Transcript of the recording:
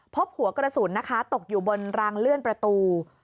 พบหัวกระสุนนะคะตกอยู่บนรางเลื่อนประตู